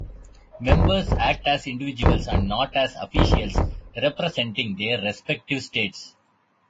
Members act as individuals and not as officials representing their respective states.